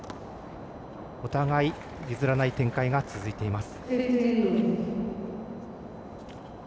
お互い、譲らない展開が続きます。